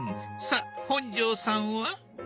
さっ本上さんは？